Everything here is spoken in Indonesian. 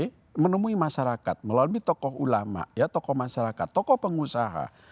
kami menemui masyarakat melalui tokoh ulama tokoh masyarakat tokoh pengusaha